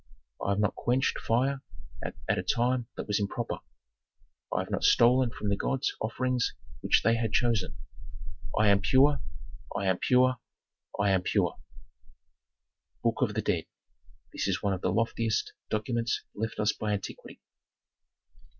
I have not quenched fire at a time that was improper, I have not stolen from the gods offerings which they had chosen. I am pure I am pure I am pure." "Book of the Dead." This is one of the loftiest documents left us by antiquity.